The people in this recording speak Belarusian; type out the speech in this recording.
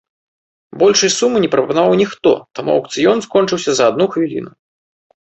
Большай сумы не прапанаваў ніхто, таму аўкцыён скончыўся за адну хвіліну.